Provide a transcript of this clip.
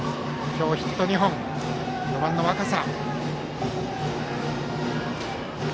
今日ヒット２本、４番の若狭。